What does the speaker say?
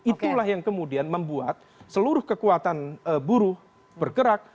itulah yang kemudian membuat seluruh kekuatan buruh bergerak